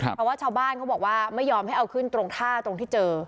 เพราะว่าชาวบ้านเขาบอกว่าไม่ยอมให้เอาขึ้นตรงท่าตรงที่เจอ